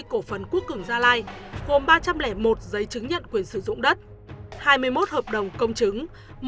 công ty cổ phấn quốc cường gia lai gồm ba trăm linh một giấy chứng nhận quyền sử dụng đất hai mươi một hợp đồng công chứng